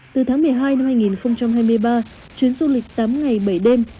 từ tháng một mươi hai năm hai nghìn hai mươi ba chuyến du lịch tám ngày bảy đêm